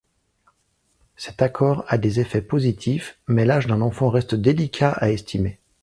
Cet accord a des effets positifs, mais l'âge d'un enfant reste délicat à estimer.